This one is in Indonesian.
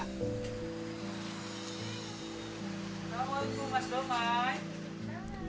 assalamualaikum mas domai